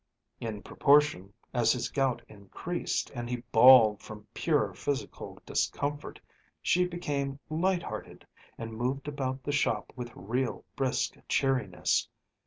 In proportion as his gout increased and he bawled from pure physical discomfort, she became light hearted, and moved about the shop with real, brisk cheeriness.